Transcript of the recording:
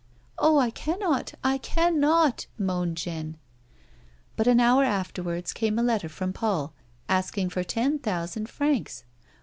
" Oh, I cannot ! I cannot !" moaned Jeanne. But an hour afterwards came a letter from Paul asking for ten thousand francs.